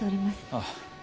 ああ。